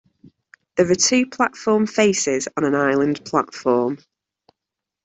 There are two platform faces on an island platform.